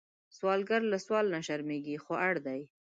سوالګر له سوال نه شرمېږي، خو اړ دی